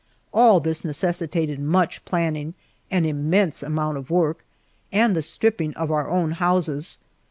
All this necessitated much planning, an immense amount of work, and the stripping of our own houses.